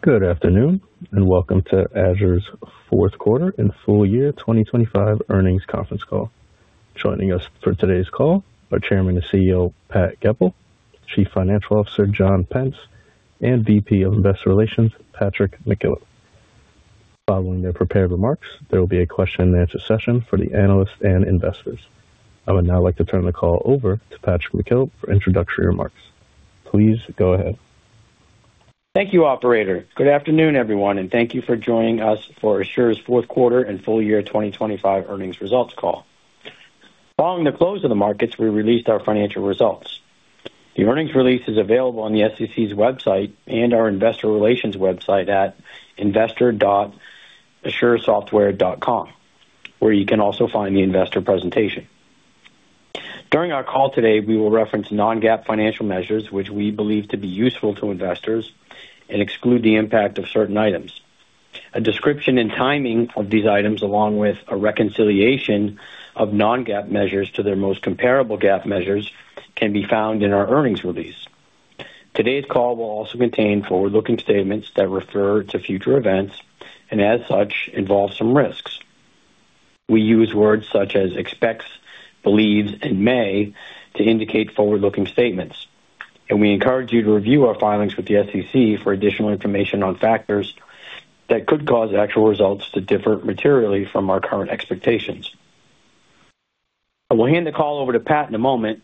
Good afternoon, and welcome to Asure's fourth quarter and full-year 2025 earnings conference call. Joining us for today's call are Chairman and CEO, Pat Goepel, Chief Financial Officer, John Pence, and VP of Investor Relations, Patrick McKillop. Following their prepared remarks, there will be a question-and-answer session for the analysts and investors. I would now like to turn the call over to Patrick McKillop for introductory remarks. Please go ahead. Thank you, operator. Good afternoon, everyone, and thank you for joining us for Asure's fourth quarter and full-year 2025 earnings results call. Following the close of the markets, we released our financial results. The earnings release is available on the SEC's website and our investor relations website at investor.asuresoftware.com, where you can also find the investor presentation. During our call today, we will reference non-GAAP financial measures, which we believe to be useful to investors and exclude the impact of certain items. A description and timing of these items, along with a reconciliation of non-GAAP measures to their most comparable GAAP measures, can be found in our earnings release. Today's call will also contain forward-looking statements that refer to future events and as such, involve some risks. We use words such as expects, believes, and may to indicate forward-looking statements, and we encourage you to review our filings with the SEC for additional information on factors that could cause actual results to differ materially from our current expectations. I will hand the call over to Pat in a moment,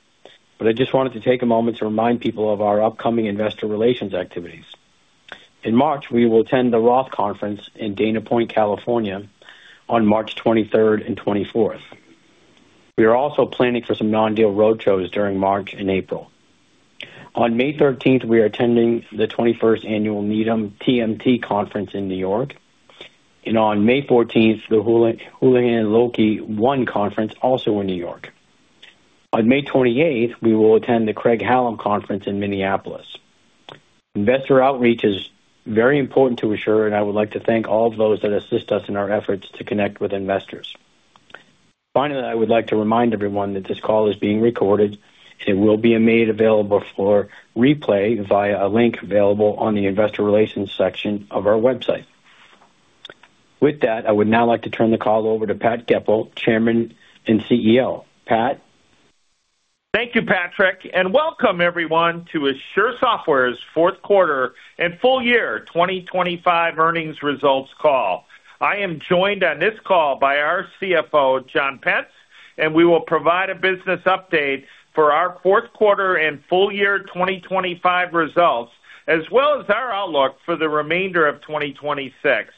but I just wanted to take a moment to remind people of our upcoming investor relations activities. In March, we will attend the ROTH Conference in Dana Point, California, on March 23rd and 24th. We are also planning for some non-deal roadshows during March and April. On May 13th, we are attending the 21st Annual Needham TMT Conference in New York. On May 14th, the Houlihan Lokey One Conference, also in New York. On May 28th, we will attend the Craig-Hallum Conference in Minneapolis. Investor outreach is very important to Asure, and I would like to thank all those that assist us in our efforts to connect with investors. Finally, I would like to remind everyone that this call is being recorded, and it will be made available for replay via a link available on the Investor Relations section of our website. With that, I would now like to turn the call over to Pat Goepel, Chairman and CEO. Pat? Thank you, Patrick. Welcome everyone to Asure Software's fourth quarter and full-year 2025 earnings results call. I am joined on this call by our CFO, John Pence. We will provide a business update for our fourth quarter and full-year 2025 results, as well as our outlook for the remainder of 2026.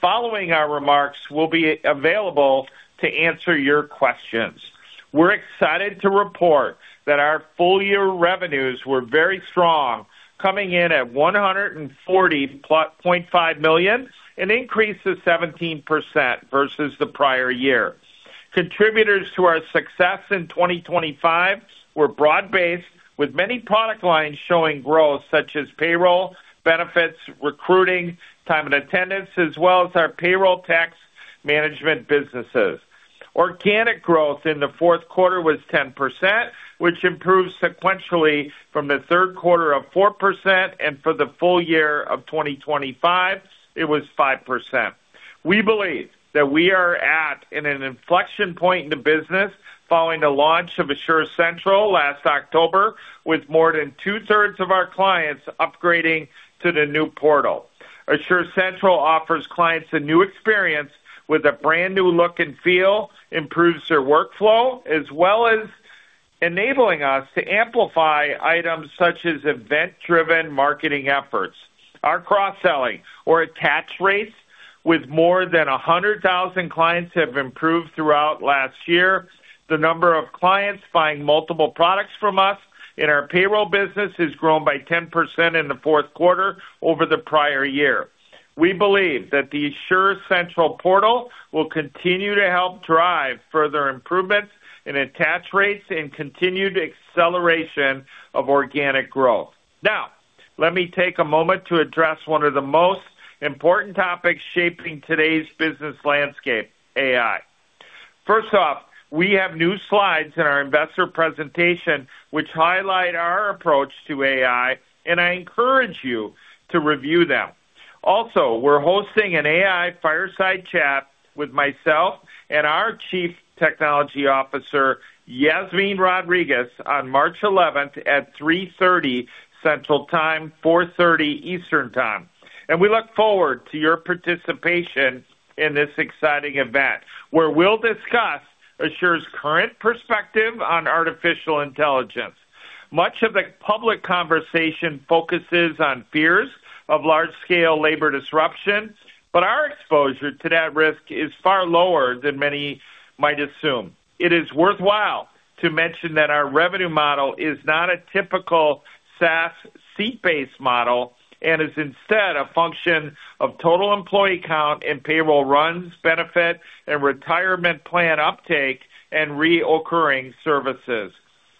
Following our remarks, we'll be available to answer your questions. We're excited to report that our full-year revenues were very strong, coming in at $140.5 million, an increase of 17% versus the prior year. Contributors to our success in 2025 were broad-based, with many product lines showing growth, such as payroll, benefits, recruiting, time and attendance, as well as our payroll tax management businesses. Organic growth in the fourth quarter was 10%, which improved sequentially from the third quarter of 4%, and for the full-year of 2025, it was 5%. We believe that we are at an inflection point in the business following the launch of Asure Central last October, with more than two-thirds of our clients upgrading to the new portal. Asure Central offers clients a new experience with a brand new look and feel, improves their workflow, as well as enabling us to amplify items such as event-driven marketing efforts. Our cross-selling or attach rates with more than 100,000 clients have improved throughout last year. The number of clients buying multiple products from us in our payroll business has grown by 10% in the fourth quarter over the prior year. We believe that the Asure Central portal will continue to help drive further improvements in attach rates and continued acceleration of organic growth. Now, let me take a moment to address one of the most important topics shaping today's business landscape, AI. First off, we have new slides in our investor presentation, which highlight our approach to AI, and I encourage you to review them. Also, we're hosting an AI fireside chat with myself and our Chief Technology Officer, Yasmine Rodriguez, on March 11th at 3:30 P.M. Central Time, 4:30 P.M. Eastern Time. We look forward to your participation in this exciting event, where we'll discuss Asure's current perspective on artificial intelligence. Much of the public conversation focuses on fears of large-scale labor disruption, our exposure to that risk is far lower than many might assume. It is worthwhile to mention that our revenue model is not a typical SaaS seat-based model and is instead a function of total employee count and payroll runs, benefit and retirement plan uptake, and recurring services.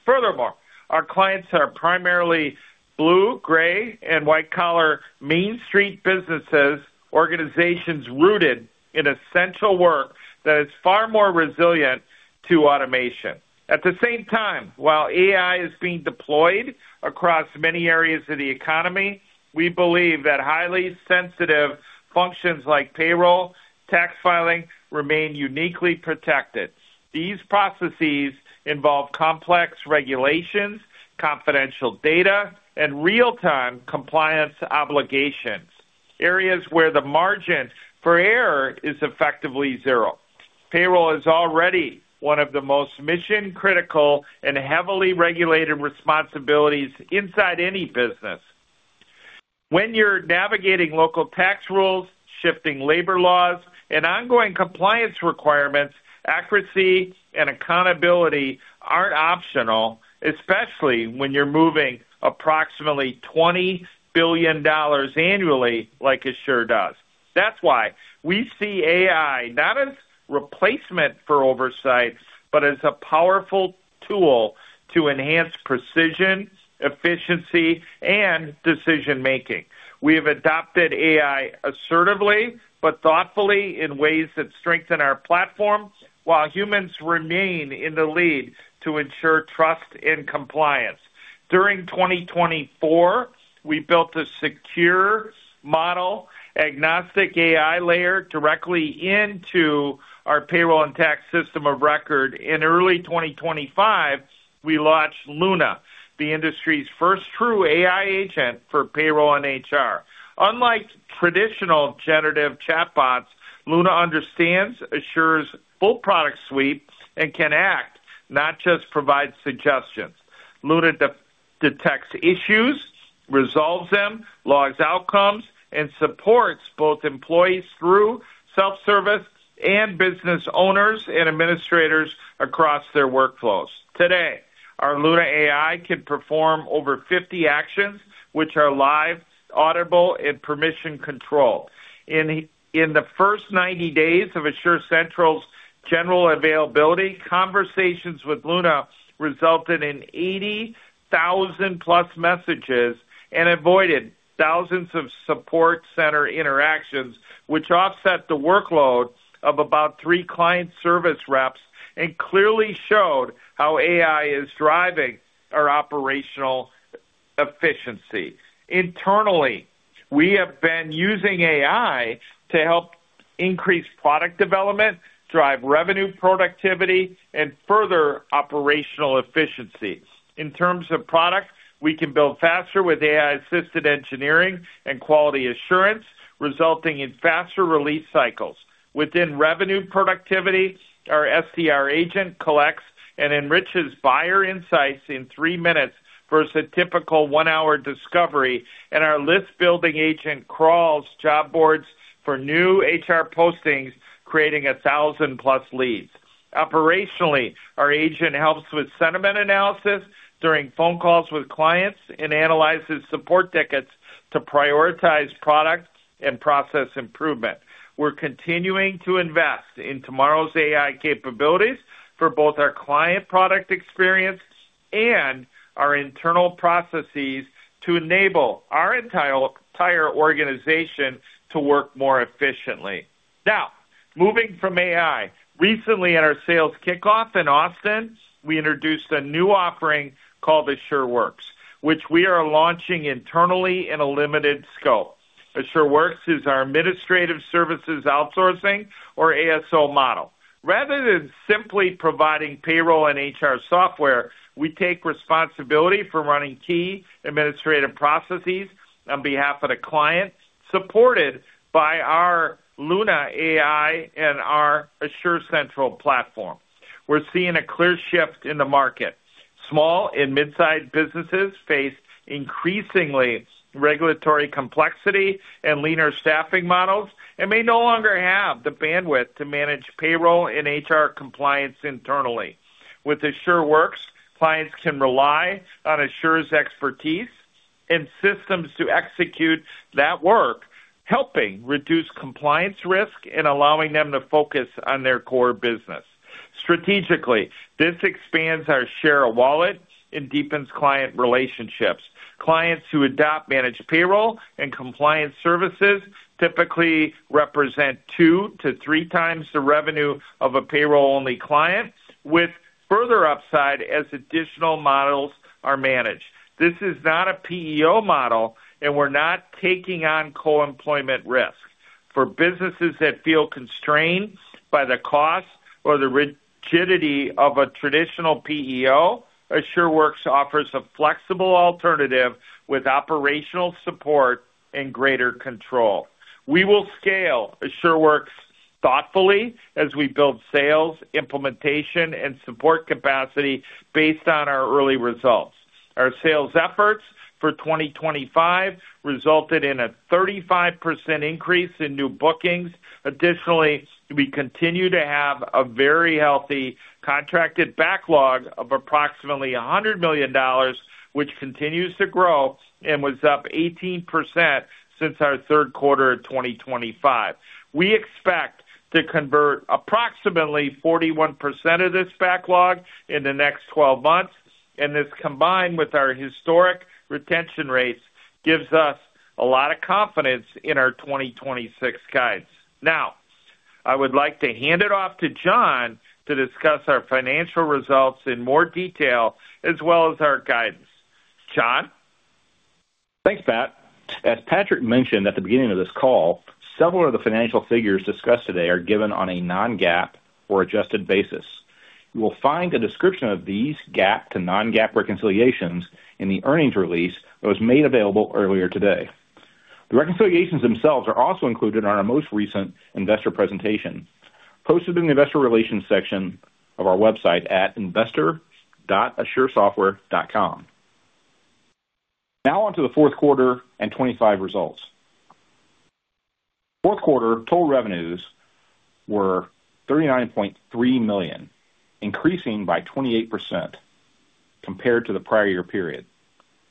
Furthermore, our clients are primarily blue, gray, and white-collar main street businesses, organizations rooted in essential work that is far more resilient to automation. At the same time, while AI is being deployed across many areas of the economy, we believe that highly sensitive functions like payroll, tax filing remain uniquely protected. These processes involve complex regulations, confidential data, and real-time compliance obligations, areas where the margin for error is effectively zero. Payroll is already one of the most mission-critical and heavily regulated responsibilities inside any business. When you're navigating local tax rules, shifting labor laws, and ongoing compliance requirements, accuracy and accountability aren't optional, especially when you're moving approximately $20 billion annually like Asure does. That's why we see AI not as replacement for oversight, but as a powerful tool to enhance precision, efficiency, and decision-making. We have adopted AI assertively but thoughtfully in ways that strengthen our platform while humans remain in the lead to ensure trust and compliance. During 2024, we built a secure model, agnostic AI layer directly into our payroll and tax system of record. In early 2025, we launched Luna, the industry's first true AI agent for payroll and HR. Unlike traditional generative chatbots, Luna detects issues, resolves them, logs outcomes, and supports both employees through self-service and business owners and administrators across their workflows. Today, our Luna AI can perform over 50 actions, which are live, auditable, and permission controlled. In the first 90 days of Asure Central's general availability, conversations with Luna resulted in 80,000+ messages and avoided thousands of support center interactions, which offset the workload of about three client service reps and clearly showed how AI is driving our operational efficiency. Internally, we have been using AI to help increase product development, drive revenue productivity, and further operational efficiencies. In terms of product, we can build faster with AI-assisted engineering and quality assurance, resulting in faster release cycles. Within revenue productivity, our SDR agent collects and enriches buyer insights in three minutes versus a typical one-hour discovery, and our list building agent crawls job boards for new HR postings, creating 1,000+ leads. Operationally, our agent helps with sentiment analysis during phone calls with clients and analyzes support tickets to prioritize product and process improvement. We're continuing to invest in tomorrow's AI capabilities for both our client product experience and our internal processes to enable our entire organization to work more efficiently. Moving from AI. Recently, at our sales kickoff in Austin, we introduced a new offering called AsureWorks, which we are launching internally in a limited scope. AsureWorks is our administrative services outsourcing or ASO model. Rather than simply providing payroll and HR software, we take responsibility for running key administrative processes on behalf of the client, supported by our Luna AI and our Asure Central platform. We're seeing a clear shift in the market. Small and mid-sized businesses face increasingly regulatory complexity and leaner staffing models and may no longer have the bandwidth to manage payroll and HR compliance internally. With AsureWorks, clients can rely on Asure's expertise and systems to execute that work, helping reduce compliance risk and allowing them to focus on their core business. Strategically, this expands our share of wallet and deepens client relationships. Clients who adopt managed payroll and compliance services typically represent 2x-3x the revenue of a payroll-only client, with further upside as additional models are managed. This is not a PEO model, and we're not taking on co-employment risk. For businesses that feel constrained by the cost or the rigidity of a traditional PEO, AsureWorks offers a flexible alternative with operational support and greater control. We will scale AsureWorks thoughtfully as we build sales, implementation, and support capacity based on our early results. Our sales efforts for 2025 resulted in a 35% increase in new bookings. Additionally, we continue to have a very healthy contracted backlog of approximately $100 million, which continues to grow and was up 18% since our third quarter of 2025. We expect to convert approximately 41% of this backlog in the next 12 months, and this, combined with our historic retention rates, gives us a lot of confidence in our 2026 guides. I would like to hand it off to John to discuss our financial results in more detail, as well as our guidance. John? Thanks, Pat. As Patrick mentioned at the beginning of this call, several of the financial figures discussed today are given on a non-GAAP or adjusted basis. You will find a description of these GAAP to non-GAAP reconciliations in the earnings release that was made available earlier today. The reconciliations themselves are also included in our most recent investor presentation, posted in the investor relations section of our website at investor.asuresoftware.com. On to the fourth quarter and 2025 results. Fourth quarter total revenues were $39.3 million, increasing by 28% compared to the prior year period,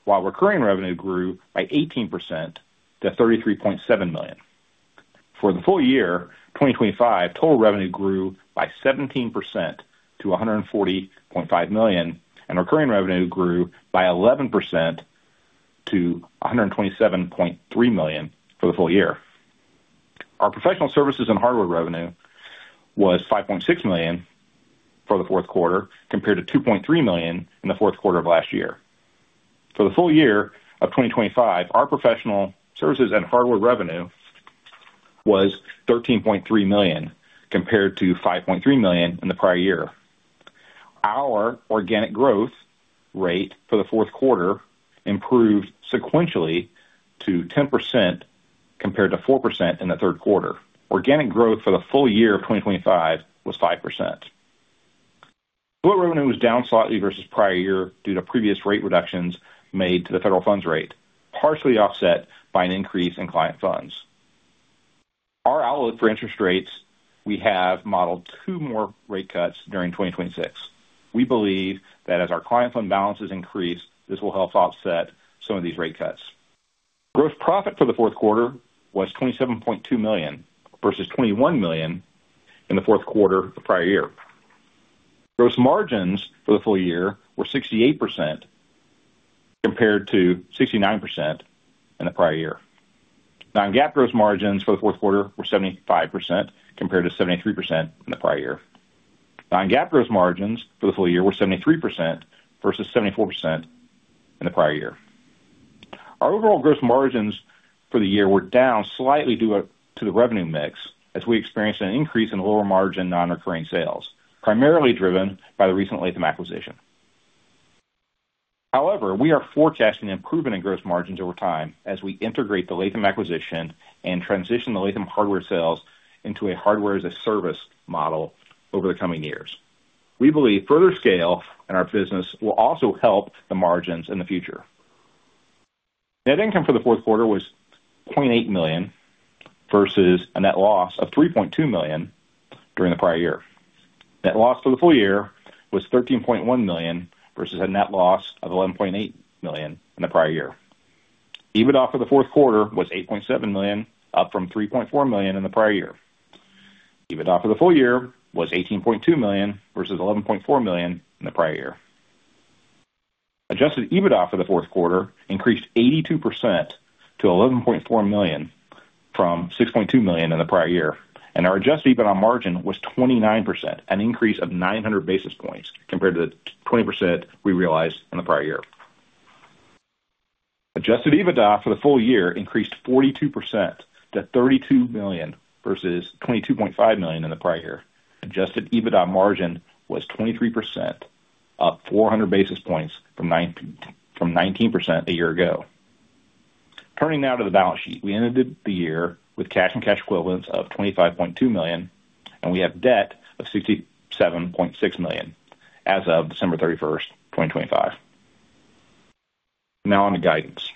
while recurring revenue grew by 18% to $33.7 million. For the full-year, 2025, total revenue grew by 17% to $140.5 million, and recurring revenue grew by 11% to $127.3 million for the full-year. Our professional services and hardware revenue was $5.6 million for the fourth quarter, compared to $2.3 million in the fourth quarter of last year. For the full-year of 2025, our professional services and hardware revenue was $13.3 million, compared to $5.3 million in the prior year. Our organic growth rate for the fourth quarter improved sequentially to 10%, compared to 4% in the third quarter. Organic growth for the full-year of 2025 was 5%. Total revenue was down slightly versus prior year due to previous rate reductions made to the federal funds rate, partially offset by an increase in client funds. Our outlook for interest rates, we have modeled two more rate cuts during 2026. We believe that as our client fund balances increase, this will help offset some of these rate cuts. Gross profit for the fourth quarter was $27.2 million, versus $21 million in the fourth quarter of the prior year. Gross margins for the full-year were 68%, compared to 69% in the prior year. Non-GAAP gross margins for the fourth quarter were 75%, compared to 73% in the prior year. Non-GAAP gross margins for the full-year were 73% versus 74% in the prior year. Our overall gross margins for the year were down slightly due to the revenue mix, as we experienced an increase in lower margin non-recurring sales, primarily driven by the recent Lathem acquisition. However, we are forecasting improvement in gross margins over time as we integrate the Lathem acquisition and transition the Lathem hardware sales into a hardware-as-a-service model over the coming years. We believe further scale in our business will also help the margins in the future. Net income for the fourth quarter was $0.8 million, versus a net loss of $3.2 million during the prior year. Net loss for the full-year was $13.1 million versus a net loss of $11.8 million in the prior year. EBITDA for the fourth quarter was $8.7 million, up from $3.4 million in the prior year. EBITDA for the full-year was $18.2 million versus $11.4 million in the prior year. Adjusted EBITDA for the fourth quarter increased 82% to $11.4 million from $6.2 million in the prior year, and our adjusted EBITDA margin was 29%, an increase of 900 basis points compared to the 20% we realized in the prior year. Adjusted EBITDA for the full-year increased 42% to $32 million versus $22.5 million in the prior year. Adjusted EBITDA margin was 23%, up 400 basis points from 19% a year ago. Turning now to the balance sheet. We ended the year with cash and cash equivalents of $25.2 million, and we have debt of $67.6 million as of December 31st, 2025. Now on to guidance.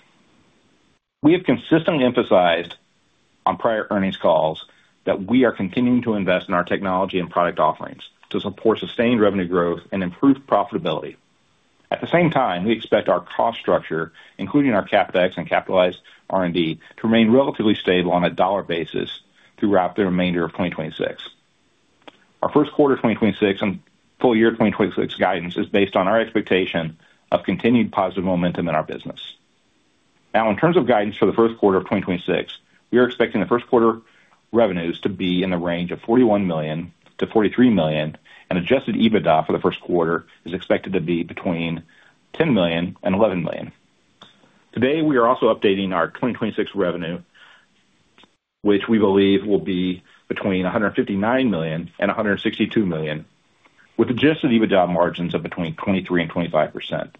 We have consistently emphasized on prior earnings calls that we are continuing to invest in our technology and product offerings to support sustained revenue growth and improved profitability. At the same time, we expect our cost structure, including our CapEx and capitalized R&D, to remain relatively stable on a dollar basis throughout the remainder of 2026. Our first quarter 2026 and full-year 2026 guidance is based on our expectation of continued positive momentum in our business. Now, in terms of guidance for the first quarter of 2026, we are expecting the first quarter revenues to be in the range of $41 million-$43 million, and adjusted EBITDA for the first quarter is expected to be between $10 million and $11 million. Today, we are also updating our 2026 revenue, which we believe will be between $159 million and $162 million, with adjusted EBITDA margins of between 23% and 25%.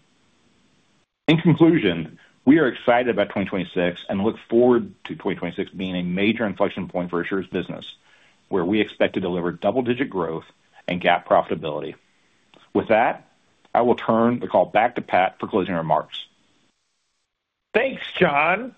In conclusion, we are excited about 2026 and look forward to 2026 being a major inflection point for Asure's business, where we expect to deliver double-digit growth and GAAP profitability. With that, I will turn the call back to Pat for closing remarks. Thanks, John.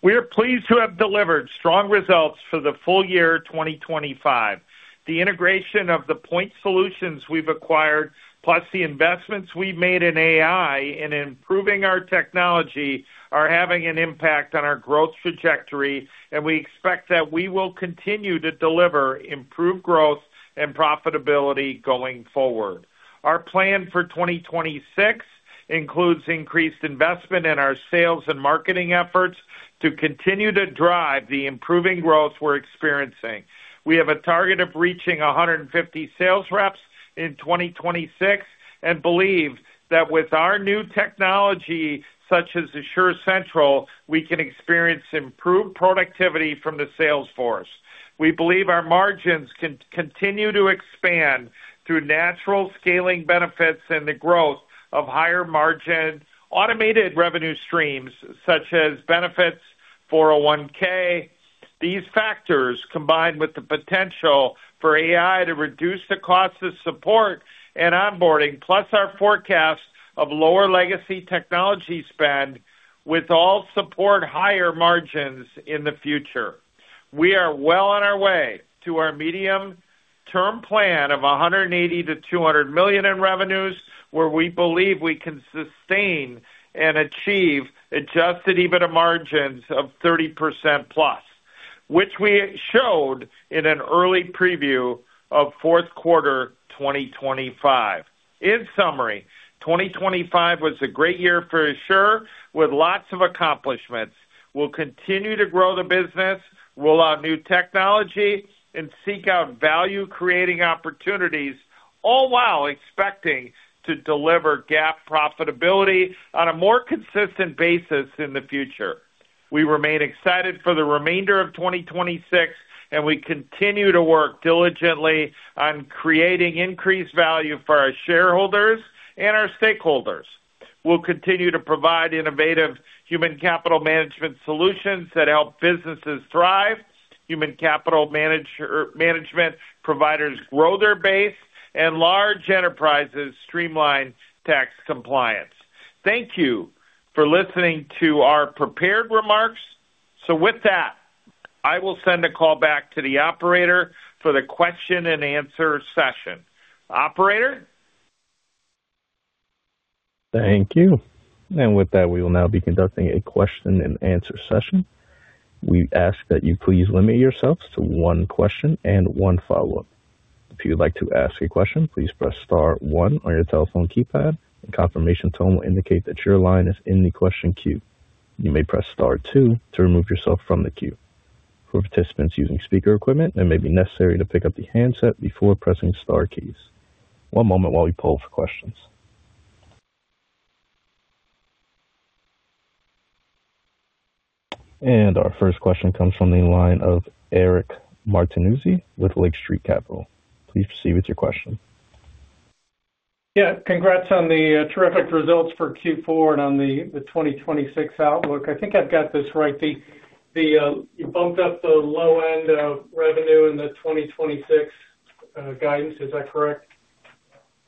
We are pleased to have delivered strong results for the full-year 2025. The integration of the point solutions we've acquired, plus the investments we've made in AI and improving our technology, are having an impact on our growth trajectory, and we expect that we will continue to deliver improved growth and profitability going forward. Our plan for 2026 includes increased investment in our sales and marketing efforts to continue to drive the improving growth we're experiencing. We have a target of reaching 150 sales reps in 2026 and believe that with our new technology, such as Asure Central, we can experience improved productivity from the sales force. We believe our margins can continue to expand through natural scaling benefits and the growth of higher margin automated revenue streams such as Benefits, 401(k). These factors, combined with the potential for AI to reduce the cost of support and onboarding, plus our forecast of lower legacy technology spend, with all support higher margins in the future. We are well on our way to our medium-term plan of $180 million-$200 million in revenues, where we believe we can sustain and achieve adjusted EBITDA margins of 30%+, which we showed in an early preview of fourth quarter 2025. In summary, 2025 was a great year for Asure with lots of accomplishments. We'll continue to grow the business, roll out new technology and seek out value-creating opportunities, all while expecting to deliver GAAP profitability on a more consistent basis in the future. We remain excited for the remainder of 2026, we continue to work diligently on creating increased value for our shareholders and our stakeholders. We'll continue to provide innovative human capital management solutions that help businesses thrive, human capital management providers grow their base, and large enterprises streamline tax compliance. Thank you for listening to our prepared remarks. With that, I will send a call back to the operator for the question-and-answer session. Operator? Thank you. With that, we will now be conducting a question-and-answer session. We ask that you please limit yourselves to one question and one follow-up. If you would like to ask a question, please press star one on your telephone keypad. A confirmation tone will indicate that your line is in the question queue. You may press star two to remove yourself from the queue. For participants using speaker equipment, it may be necessary to pick up the handset before pressing star keys. One moment while we poll for questions. Our first question comes from the line of Eric Martinuzzi with Lake Street Capital. Please proceed with your question. Yeah. Congrats on the terrific results for Q4 and on the 2026 outlook. I think I've got this right. You bumped up the low end of revenue in the 2026 guidance. Is that correct?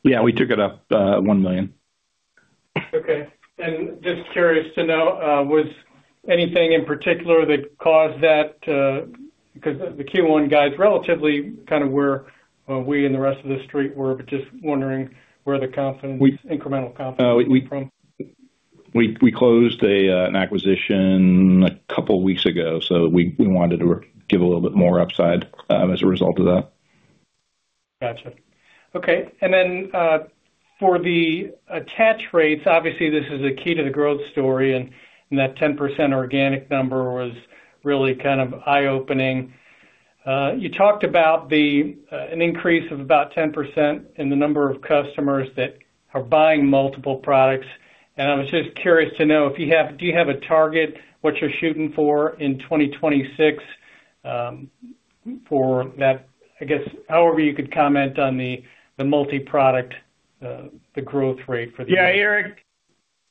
Yeah, we took it up, $1 million. Okay. Just curious to know, was anything in particular that caused that to. 'cause the Q1 guides relatively kind of where, we and the rest of the street were, but just wondering where the confidence, incremental confidence was from. We closed an acquisition a couple weeks ago. We wanted to give a little bit more upside as a result of that. Gotcha. Okay. Then, for the attach rates, obviously this is a key to the growth story and that 10% organic number was really kind of eye-opening. You talked about an increase of about 10% in the number of customers that are buying multiple products, and I was just curious to know if you have a target, what you're shooting for in 2026, for that? I guess however you could comment on the multiproduct, the growth rate for the. Yeah.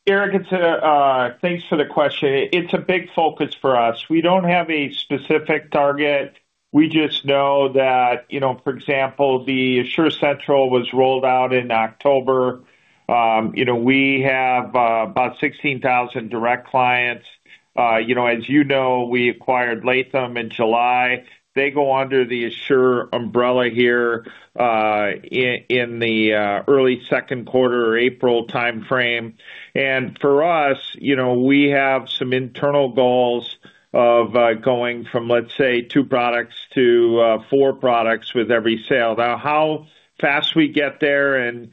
Eric, it's thanks for the question. It's a big focus for us. We don't have a specific target. We just know that, you know, for example, the Asure Central was rolled out in October. You know, we have about 16,000 direct clients. You know, as you know, we acquired Lathem in July. They go under the Asure umbrella here, in the early second quarter or April timeframe. For us, you know, we have some internal goals of going from, let's say, two products to four products with every sale. How fast we get there and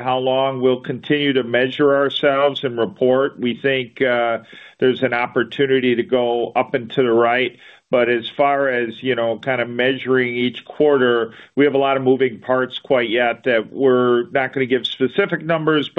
how long we'll continue to measure ourselves and report, we think, there's an opportunity to go up and to the right. As far as, you know, kind of measuring each quarter, we have a lot of moving parts quite yet that we're not gonna give specific numbers.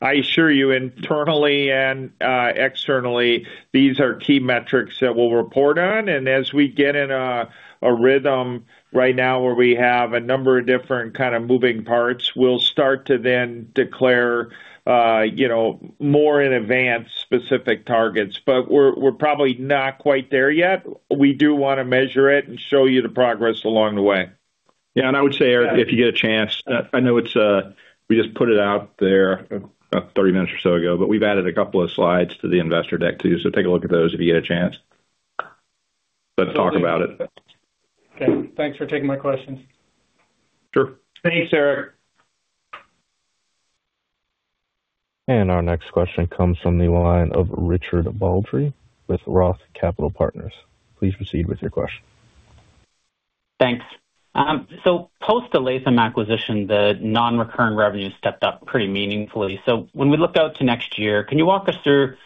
I assure you internally and externally, these are key metrics that we'll report on. As we get in a rhythm right now where we have a number of different kind of moving parts, we'll start to then declare, you know, more in advance specific targets. We're probably not quite there yet. We do wanna measure it and show you the progress along the way. Yeah. I would say, Eric, if you get a chance, I know it's, we just put it out there about 30 minutes or so ago. We've added a couple of slides to the investor deck too. Take a look at those if you get a chance. Let's talk about it. Okay. Thanks for taking my questions. Sure. Thanks, Eric. Our next question comes from the line of Richard Baldry with Roth Capital Partners. Please proceed with your question. Thanks. Post the Lathem acquisition, the non-recurring revenue stepped up pretty meaningfully. When we look out to next year, can you walk us through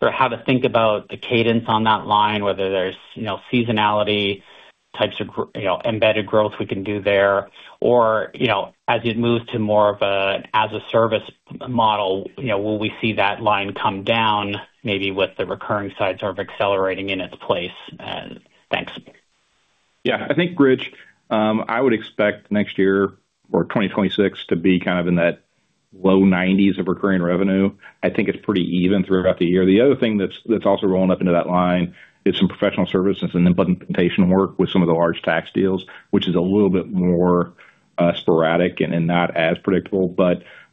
sort of how to think about the cadence on that line, whether there's, you know, seasonality types of you know, embedded growth we can do there, or, you know, as you'd move to more of a as a service model, you know, will we see that line come down maybe with the recurring side sort of accelerating in its place? Thanks. I think, Rich, I would expect next year or 2026 to be kind of in that low 90s of recurring revenue. I think it's pretty even throughout the year. The other thing that's also rolling up into that line is some professional services and implementation work with some of the large tax deals, which is a little bit more sporadic and not as predictable.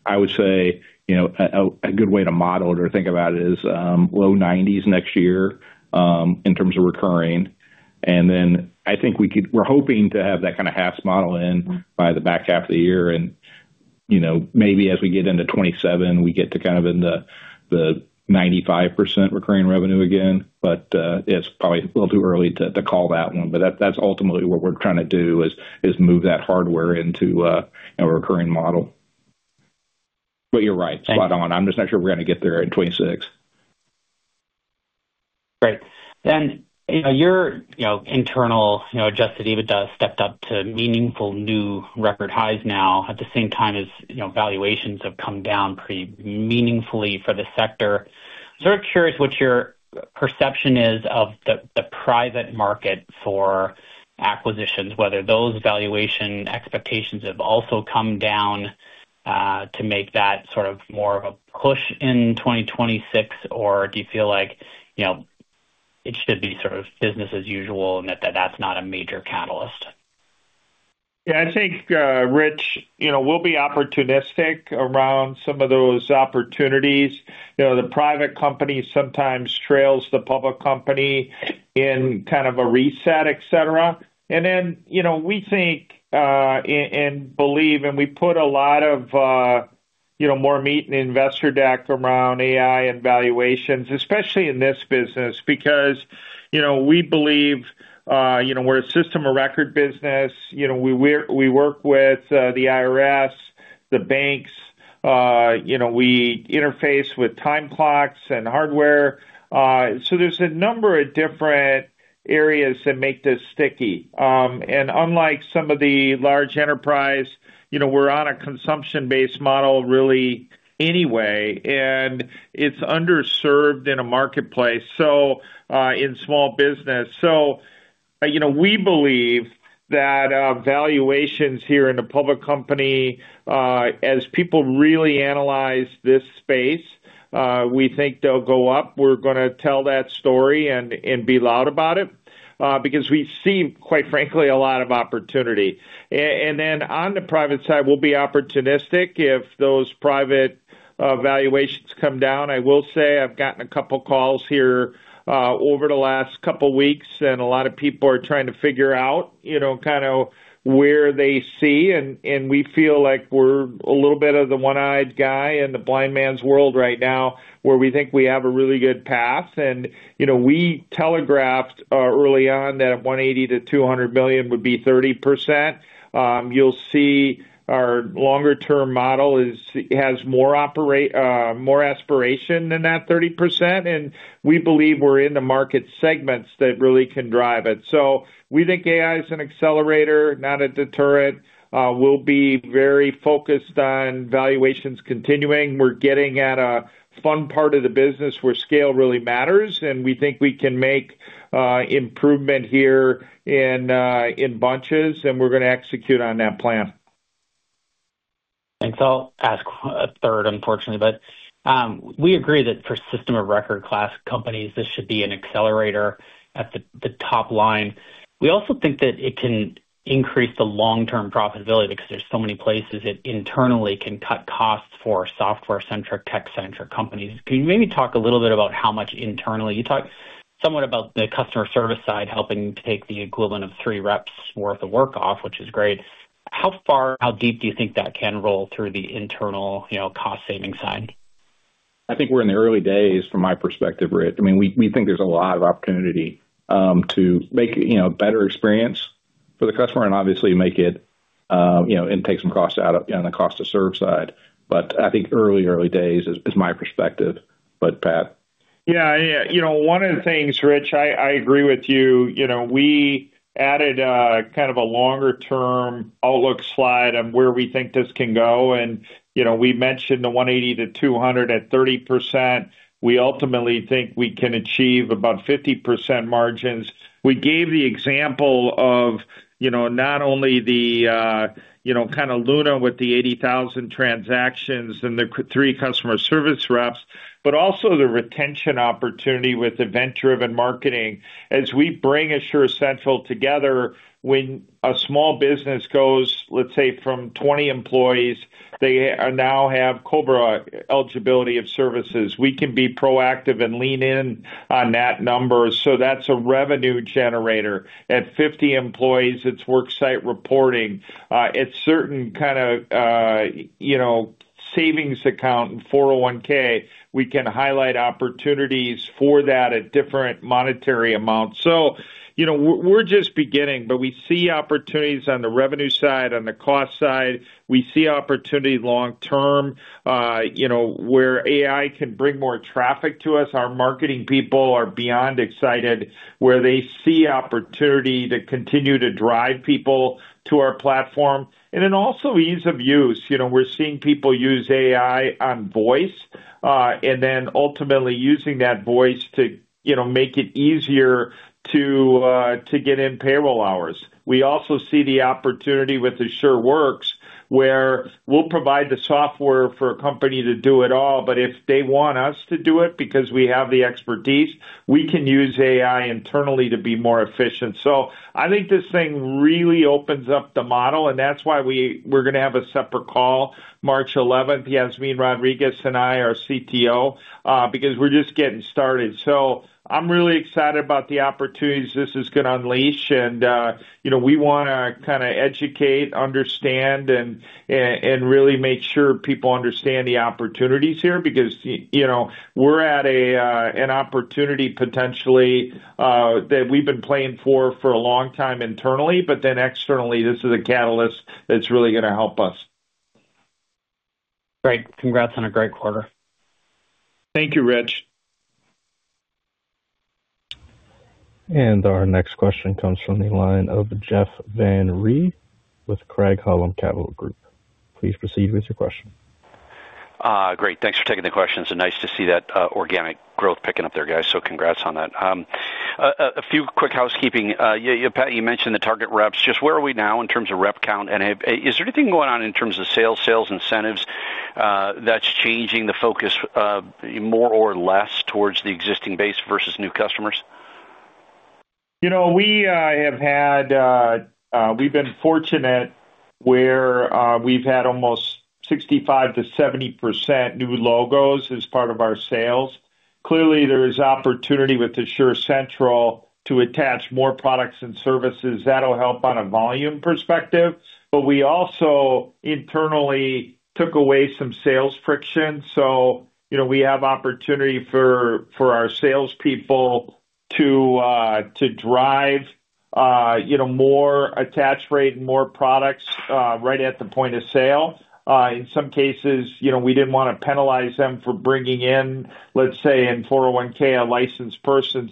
I would say, you know, a, a good way to model it or think about it is low 90s next year in terms of recurring. Then I think we're hoping to have that kinda HaaS model in by the back half of the year and, you know, maybe as we get into 2027, we get to kind of in the 95% recurring revenue again. It's probably a little too early to call that one. That's ultimately what we're trying to do is move that hardware into a recurring model. You're right. Spot on. I'm just not sure we're gonna get there in 26. Great. Your, you know, internal, you know, adjusted EBITDA stepped up to meaningful new record highs now at the same time as, you know, valuations have come down pretty meaningfully for the sector. Sort of curious what your perception is of the private market for acquisitions, whether those valuation expectations have also come down to make that sort of more of a push in 2026, or do you feel like, you know, it should be sort of business as usual and that's not a major catalyst? Yeah, I think, Rich, you know, we'll be opportunistic around some of those opportunities. You know, the private company sometimes trails the public company in kind of a reset, et cetera. Then, you know, we think, and believe, and we put a lot of, you know, more meat in the investor deck around AI and valuations, especially in this business. Because, you know, we believe, you know, we're a system of record business. You know, we work with, the IRS, the banks, you know, we interface with time clocks and hardware. There's a number of different areas that make this sticky. Unlike some of the large enterprise, you know, we're on a consumption-based model really anyway, and it's underserved in a marketplace, so, in small business. You know, we believe that valuations here in a public company, as people really analyze this space, we think they'll go up. We're gonna tell that story and be loud about it, because we see, quite frankly, a lot of opportunity. Then on the private side, we'll be opportunistic if those private valuations come down. I will say I've gotten a couple calls here over the last couple weeks, and a lot of people are trying to figure out, you know, kind of where they see and we feel like we're a little bit of the one-eyed guy in the blind man's world right now, where we think we have a really good path. You know, we telegraphed early on that $180 million-$200 million would be 30%. You'll see our longer term model has more aspiration than that 30%. We believe we're in the market segments that really can drive it. We think AI is an accelerator, not a deterrent. We'll be very focused on valuations continuing. We're getting at a fun part of the business where scale really matters. We think we can make improvement here in bunches. We're gonna execute on that plan. Thanks. I'll ask a third, unfortunately. We agree that for system of record class companies, this should be an accelerator at the top line. We also think that it can increase the long-term profitability because there's so many places it internally can cut costs for software-centric, tech-centric companies. Can you maybe talk a little bit about how much internally? You talked somewhat about the customer service side helping take the equivalent of three reps worth of work off, which is great. How far, how deep do you think that can roll through the internal, you know, cost saving side? I think we're in the early days from my perspective, Rich. I mean, we think there's a lot of opportunity, to make, you know, better experience for the customer and obviously make it, you know, and take some costs out on the cost to serve side. I think early days is my perspective. Pat. Yeah. You know, one of the things, Rich, I agree with you. You know, we added a kind of a longer term outlook slide on where we think this can go and, you know, we mentioned the 180-200 at 30%. We ultimately think we can achieve about 50% margins. We gave the example of, you know, not only the, You know, kind of Luna with the 80,000 transactions and the Q3 customer service reps, but also the retention opportunity with event-driven marketing. As we bring Asure Central together, when a small business goes, let's say, from 20 employees, they now have COBRA eligibility of services. We can be proactive and lean in on that number. That's a revenue generator. At 50 employees, it's worksite reporting. At certain kind of, you know, savings account, 401(k), we can highlight opportunities for that at different monetary amounts. You know, we're just beginning, but we see opportunities on the revenue side, on the cost side. We see opportunity long term, you know, where AI can bring more traffic to us. Our marketing people are beyond excited, where they see opportunity to continue to drive people to our platform. Also ease of use. You know, we're seeing people use AI on voice, and then ultimately using that voice to, you know, make it easier to get in payroll hours. We also see the opportunity with AsureWorks, where we'll provide the software for a company to do it all, but if they want us to do it because we have the expertise, we can use AI internally to be more efficient. I think this thing really opens up the model, and that's why we're gonna have a separate call March 11th. Yasmine Rodriguez and I, our CTO, because we're just getting started. I'm really excited about the opportunities this is gonna unleash. You know, we wanna kinda educate, understand and really make sure people understand the opportunities here because, you know, we're at an opportunity potentially that we've been playing for a long time internally, but then externally, this is a catalyst that's really gonna help us. Great. Congrats on a great quarter. Thank you, Rich. Our next question comes from the line of Jeff Van Rhee with Craig-Hallum Capital Group. Please proceed with your question. Great. Thanks for taking the questions. Nice to see that organic growth picking up there, guys. Congrats on that. A few quick housekeeping. Pat, you mentioned the target reps. Just where are we now in terms of rep count? Is there anything going on in terms of sales incentives that's changing the focus more or less towards the existing base versus new customers? You know, we have had, we've been fortunate where, we've had almost 65%-70% new logos as part of our sales. Clearly, there is opportunity with Asure Central to attach more products and services that'll help on a volume perspective. We also internally took away some sales friction. You know, we have opportunity for our salespeople to drive, you know, more attach rate and more products right at the point of sale. In some cases, you know, we didn't wanna penalize them for bringing in, let's say, in 401(k), a licensed person.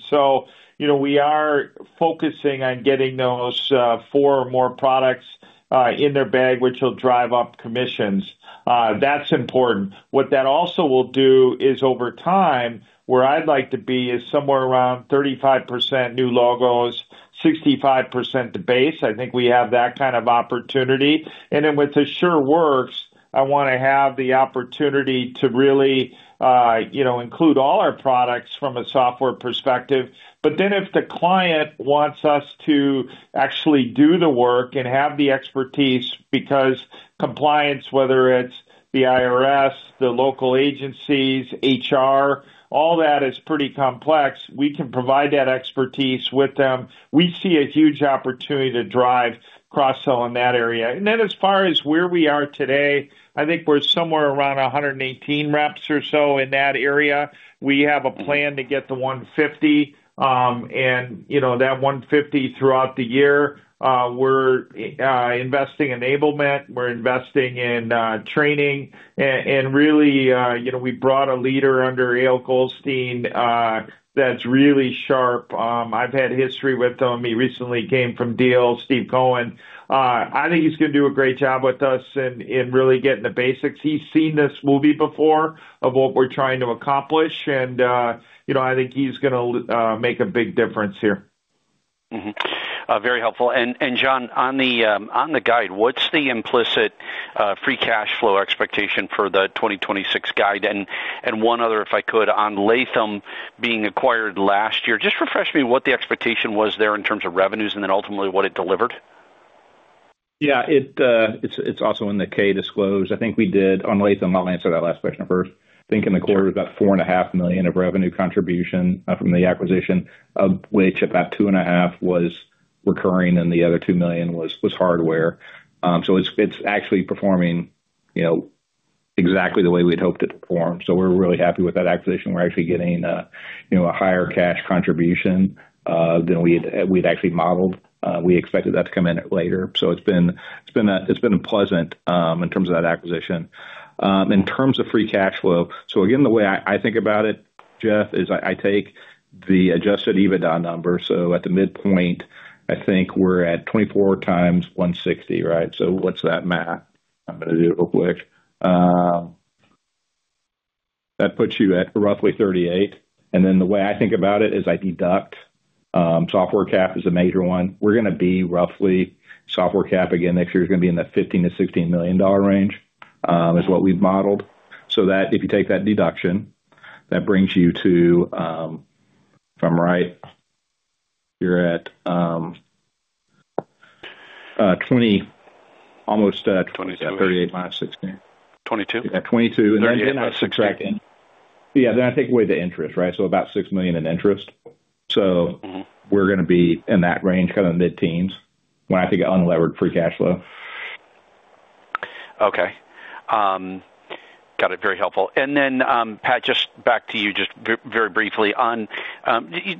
You know, we are focusing on getting those four or more products in their bag, which will drive up commissions. That's important. What that also will do is over time, where I'd like to be is somewhere around 35% new logos, 65% the base. I think we have that kind of opportunity. With AsureWorks, I wanna have the opportunity to really, you know, include all our products from a software perspective. If the client wants us to actually do the work and have the expertise because compliance, whether it's the IRS, the local agencies, HR, all that is pretty complex, we can provide that expertise with them. We see a huge opportunity to drive cross-sell in that area. As far as where we are today, I think we're somewhere around 118 reps or so in that area. We have a plan to get to 150, and you know, that 150 throughout the year, we're investing enablement, we're investing in training. Really, you know, we brought a leader under Eyal Goldstein, that's really sharp. I've had history with him. He recently came from Deel, Steve Cohen. I think he's gonna do a great job with us in really getting the basics. He's seen this movie before of what we're trying to accomplish and, you know, I think he's gonna make a big difference here. Very helpful. John, on the, on the guide, what's the implicit, free cash flow expectation for the 2026 guide? One other, if I could, on Lathem being acquired last year, just refresh me what the expectation was there in terms of revenues and then ultimately what it delivered. Yeah, it's also in the K disclosed. On Lathem, I'll answer that last question first. I think in the quarter, about $4.5 million of revenue contribution from the acquisition, of which about $2.5 was recurring and the other $2 million was hardware. It's actually performing, you know, exactly the way we'd hoped it to perform. We're really happy with that acquisition. We're actually getting, you know, a higher cash contribution than we'd actually modeled. We expected that to come in later. It's been pleasant in terms of that acquisition. In terms of free cash flow, again, the way I think about it, Jeff, is I take the adjusted EBITDA number. At the midpoint, I think we're at 24 times 160, right? What's that math? I'm gonna do it real quick. That puts you at roughly $38 million. Then the way I think about it is I deduct, software CapEx is a major one. We're going to be roughly software CapEx again, next year is going to be in the $15 million-$16 million range, is what we've modeled, so that if you take that deduction, that brings you to, if I'm right, you're at $20 million, almost. $22 million. 38 minus 16. 22? Yeah, 22. 38 minus 16. Yeah. I take away the interest, right? About $6 million in interest. Mm-hmm. we're going to be in that range, kind of mid-teens, when I think of unlevered free cash flow. Okay. Got it. Very helpful. Pat, just back to you, very briefly. On,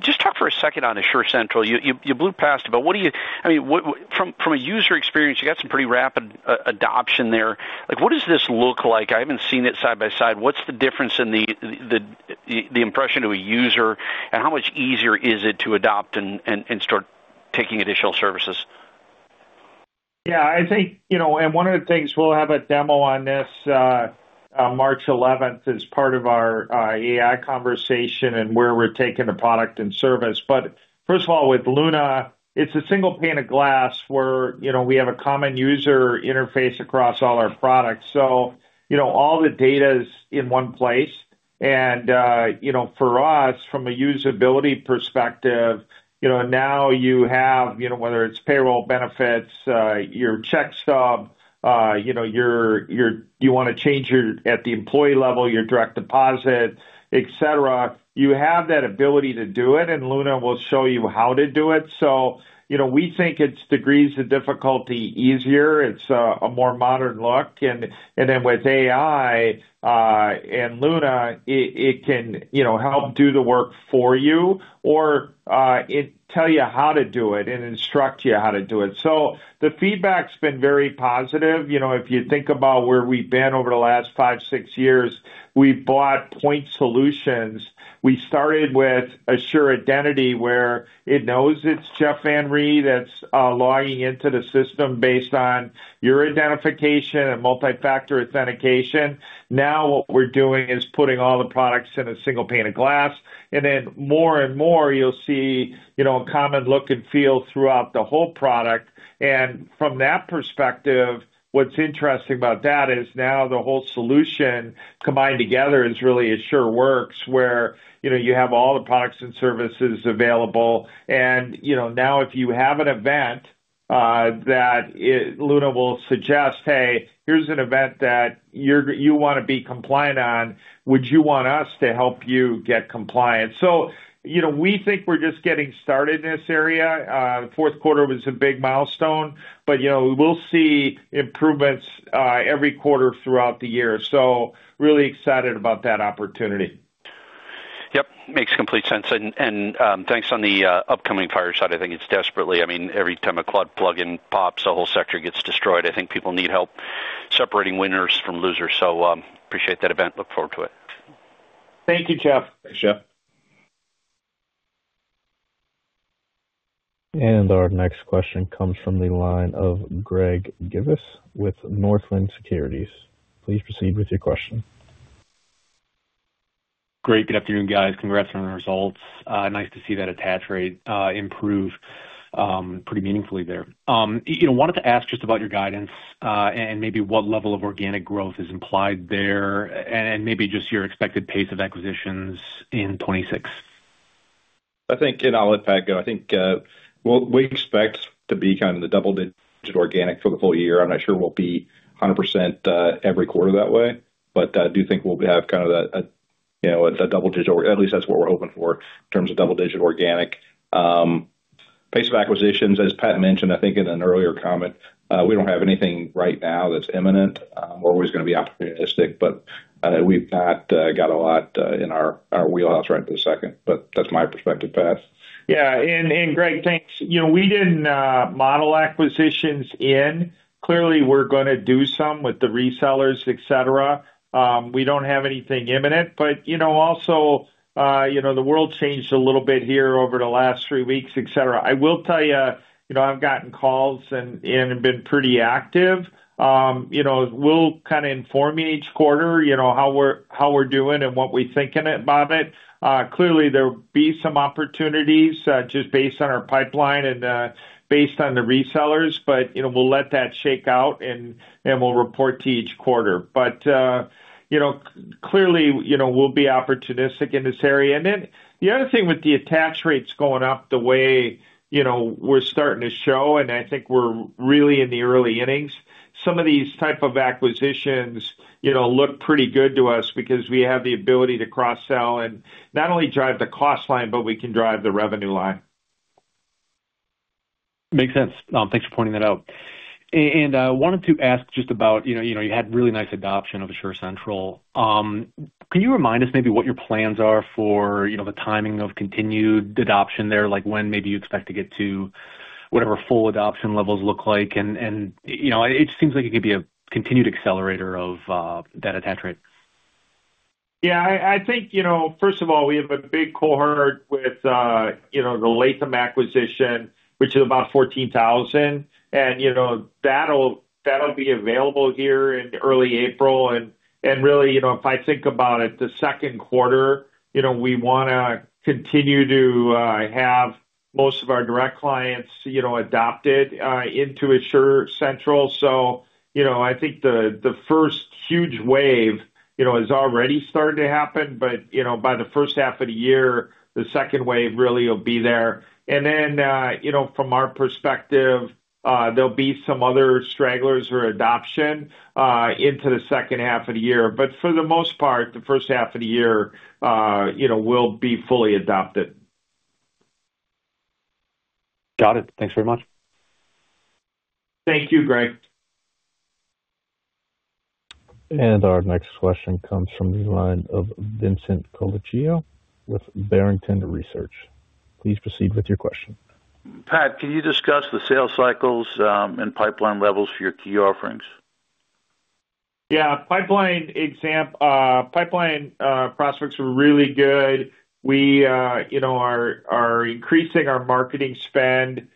just talk for a second on AsureCentral. You blew past it, but what do you, I mean, from a user experience, you got some pretty rapid adoption there. Like, what does this look like? I haven't seen it side by side. What's the difference in the impression to a user, and how much easier is it to adopt and start taking additional services? Yeah, I think, you know, one of the things we'll have a demo on this on March 11th, is part of our AI conversation and where we're taking the product and service. First of all, with Luna, it's a single pane of glass where, you know, we have a common user interface across all our products. All the data is in one place. You know, for us, from a usability perspective, you know, now you have, you know, whether it's payroll benefits, your check stub, you know, You want to change your, at the employee level, your direct deposit, et cetera, you have that ability to do it, and Luna will show you how to do it. You know, we think it's degrees of difficulty easier. It's a more modern look. With AI and Luna, it can, you know, help do the work for you or it tell you how to do it and instruct you how to do it. The feedback's been very positive. You know, if you think about where we've been over the last five, six years, we've bought point solutions. We started with Asure Identity, where it knows it's Jeff Van Rhee that's logging into the system based on your identification and multi-factor authentication. What we're doing is putting all the products in a single pane of glass, more and more you'll see, you know, a common look and feel throughout the whole product. What's interesting about that is now the whole solution combined together is really AsureWorks, where, you know, you have all the products and services available. You know, now, if you have an event, that Luna will suggest, "Hey, here's an event that you want to be compliant on. Would you want us to help you get compliant?" You know, we think we're just getting started in this area. Fourth quarter was a big milestone, but, you know, we'll see improvements, every quarter throughout the year. Really excited about that opportunity. Yep. Makes complete sense. Thanks on the upcoming fireside. I think it's desperately. I mean, every time a cloud plugin pops, the whole sector gets destroyed. I think people need help separating winners from losers, so appreciate that event. Look forward to it. Thank you, Jeff. Thanks, Jeff. Our next question comes from the line of Greg Gibas with Northland Securities. Please proceed with your question. Great. Good afternoon, guys. Congrats on the results. Nice to see that attach rate improve, pretty meaningfully there. You know, wanted to ask just about your guidance, and maybe what level of organic growth is implied there, and maybe just your expected pace of acquisitions in 2026. I think, and I'll let Pat go. I think, well, we expect to be kind of in the double-digit organic for the full-year. I'm not sure we'll be 100%, every quarter that way, but, I do think we'll have kind of a, you know, a double-digit, or at least that's what we're hoping for in terms of double-digit organic. Pace of acquisitions, as Pat mentioned, I think in an earlier comment, we don't have anything right now that's imminent. We're always going to be opportunistic, but, we've not got a lot in our wheelhouse right this second. That's my perspective, Pat. Yeah, and Greg, thanks. You know, we didn't model acquisitions in. Clearly, we're gonna do some with the resellers, et cetera. We don't have anything imminent, but, you know, also, you know, the world changed a little bit here over the last three weeks, et cetera. I will tell you know, I've gotten calls and been pretty active. You know, we'll kind of inform you each quarter, you know, how we're doing and what we think in it, about it. Clearly, there will be some opportunities, just based on our pipeline and based on the resellers, but, you know, we'll let that shake out, and we'll report to each quarter. You know, clearly, you know, we'll be opportunistic in this area. The other thing with the attach rates going up the way, you know, we're starting to show, and I think we're really in the early innings, some of these type of acquisitions, you know, look pretty good to us because we have the ability to cross-sell and not only drive the cost line, but we can drive the revenue line. Makes sense. Thanks for pointing that out. wanted to ask just about, you know, you had really nice adoption of AsureCentral. can you remind us maybe what your plans are for, you know, the timing of continued adoption there? Like, when maybe you expect to get to whatever full adoption levels look like, and, you know, it just seems like it could be a continued accelerator of that attach rate. Yeah, I think, you know, first of all, we have a big cohort with, you know, the Lathem acquisition, which is about 14,000. That'll be available here in early April. Really, you know, if I think about it, the second quarter, you know, we wanna continue to have most of our direct clients, you know, adopted into Asure Central. You know, I think the first huge wave, you know, has already started to happen. You know, by the first half of the year, the second wave really will be there. Then, you know, from our perspective, there'll be some other stragglers or adoption into the second half of the year. But for the most part, the first half of the year, you know, will be fully adopted. Got it. Thanks very much. Thank you, Greg. Our next question comes from the line of Vincent Colicchio with Barrington Research. Please proceed with your question. Pat, can you discuss the sales cycles, and pipeline levels for your key offerings? Yeah. Pipeline prospects are really good. We, you know, are increasing our marketing spend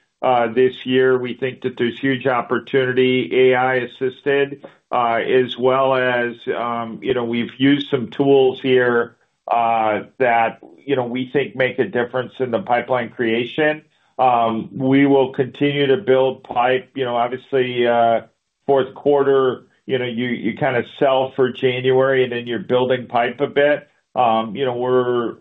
this year. We think that there's huge opportunity AI-assisted, as well as, you know, we've used some tools here that, you know, we think make a difference in the pipeline creation. We will continue to build pipe. You know, obviously, fourth quarter, you know, you kind of sell for January, and then you're building pipe a bit. You know, we're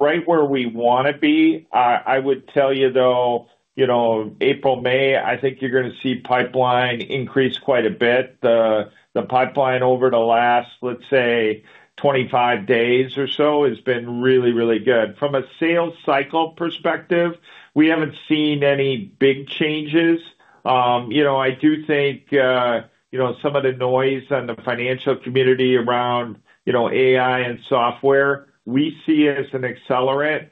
right where we wanna be. I would tell you, though, you know, April, May, I think you're gonna see pipeline increase quite a bit. The pipeline over the last, let's say, 25 days or so has been really, really good. From a sales cycle perspective, we haven't seen any big changes. I do think some of the noise on the financial community around AI and software, we see it as an accelerant.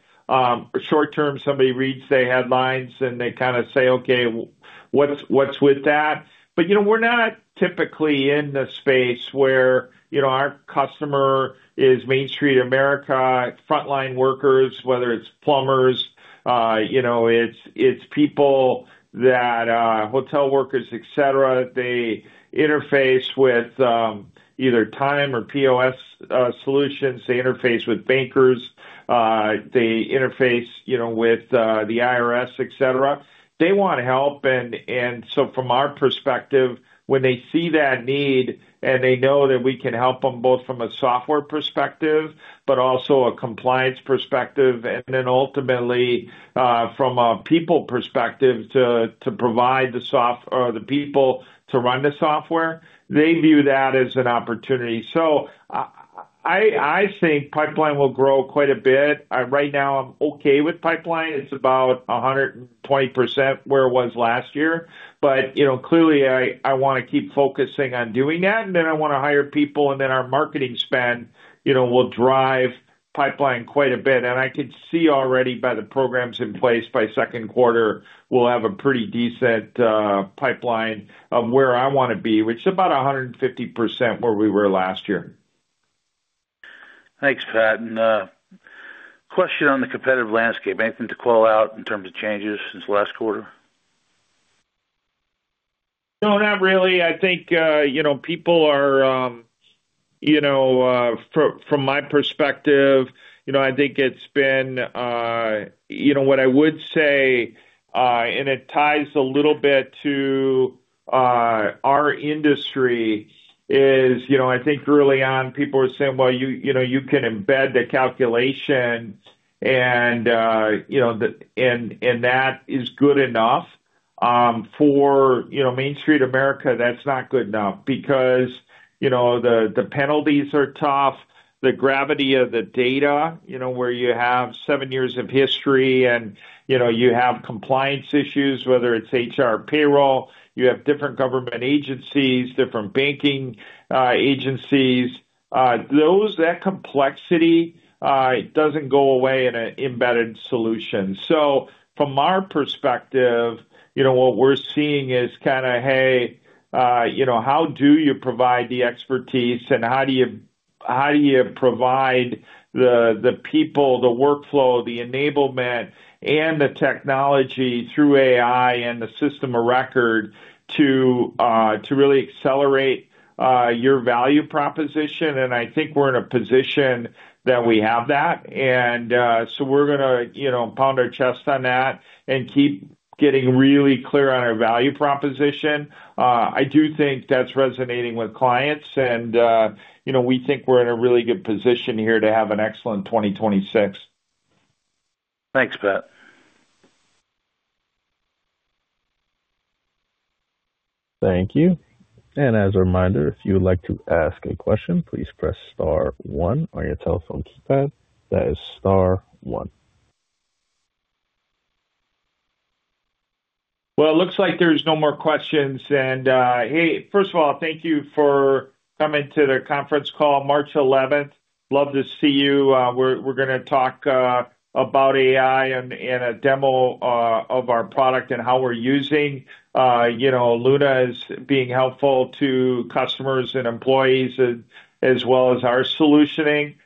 Short term, somebody reads the headlines, and they kinda say, "Okay, what's with that?" You know, we're not typically in the space where our customer is Main Street America, frontline workers, whether it's plumbers, it's people that hotel workers, et cetera. They interface with either time or POS solutions. They interface with bankers. They interface, you know, with the IRS, et cetera. They want help. From our perspective, when they see that need, and they know that we can help them both from a software perspective, but also a compliance perspective, and then ultimately, from a people perspective to provide the people to run the software, they view that as an opportunity. I think pipeline will grow quite a bit. Right now I'm okay with pipeline. It's about 120% where it was last year. You know, clearly I wanna keep focusing on doing that, and then I wanna hire people, and then our marketing spend, you know, will drive pipeline quite a bit. I can see already by the programs in place by second quarter, we'll have a pretty decent pipeline of where I wanna be, which is about 150% where we were last year. Thanks, Pat. Question on the competitive landscape. Anything to call out in terms of changes since last quarter? No, not really. I think, you know, people are, you know. From my perspective, you know, I think it's been. You know, what I would say, and it ties a little bit to our industry is, you know, I think early on, people were saying, "Well, you know, you can embed the calculation," and that is good enough. For, you know, Main Street America, that's not good enough because, you know, the penalties are tough. The gravity of the data, you know, where you have seven years of history and, you know, you have compliance issues, whether it's HR, payroll, you have different government agencies, different banking agencies, That complexity, it doesn't go away in a embedded solution. From our perspective, you know, what we're seeing is kinda, hey, you know, how do you provide the expertise, and how do you provide the people, the workflow, the enablement, and the technology through AI and the system of record to really accelerate your value proposition? I think we're in a position that we have that. So we're gonna, you know, pound our chest on that and keep getting really clear on our value proposition. I do think that's resonating with clients and, you know, we think we're in a really good position here to have an excellent 2026. Thanks, Pat. Thank you. As a reminder, if you would like to ask a question, please press star one on your telephone keypad. That is star one. Well, it looks like there's no more questions. Hey, first of all, thank you for coming to the conference call March 11th. Love to see you. We're gonna talk about AI and a demo of our product and how we're using, you know, Luna is being helpful to customers and employees as well as our solutioning.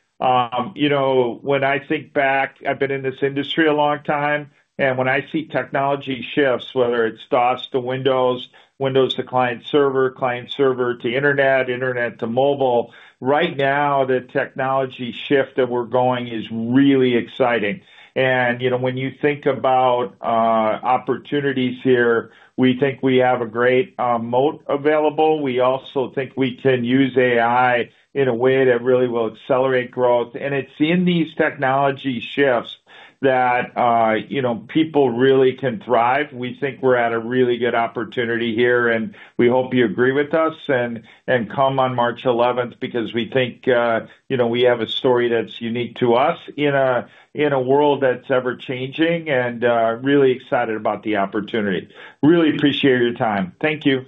You know, when I think back, I've been in this industry a long time, and when I see technology shifts, whether it's DOS to Windows to client server, client server to internet to mobile. Right now, the technology shift that we're going is really exciting. You know, when you think about opportunities here, we think we have a great moat available. We also think we can use AI in a way that really will accelerate growth. It's in these technology shifts that, you know, people really can thrive. We think we're at a really good opportunity here. We hope you agree with us and come on March 11th because we think, you know, we have a story that's unique to us in a world that's ever-changing and really excited about the opportunity. Really appreciate your time. Thank you.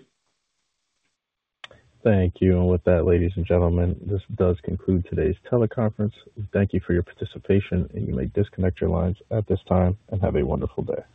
Thank you. With that, ladies and gentlemen, this does conclude today's teleconference. Thank you for your participation, and you may disconnect your lines at this time and have a wonderful day.